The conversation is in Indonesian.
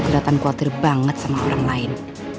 kelihatan khawatir banget sama orang lain